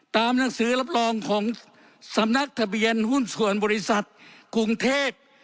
หนังสือรับรองของสำนักทะเบียนหุ้นส่วนบริษัทกรุงเทพ